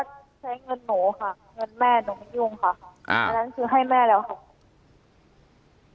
ก็ใช้เงินหนูค่ะเงินแม่หนูไม่ยุ่งค่ะอ่าตอนนั้นคือให้แม่แล้วค่ะ